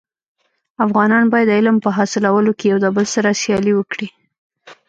افغانان باید د علم په حاصلولو کي يو دبل سره سیالي وکړي.